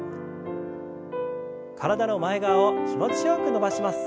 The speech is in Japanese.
体の前側を気持ちよく伸ばします。